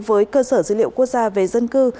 với cơ sở dữ liệu quốc gia về dân cư